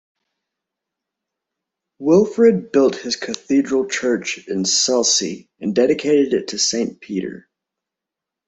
Wilfrid built his cathedral church in Selsey and dedicated it to Saint Peter.